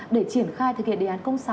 để triển khai thực hiện đề án công sáu